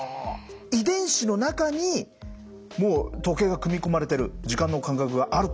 遺伝子の中にもう時計が組み込まれてる時間の感覚があるということなんですか。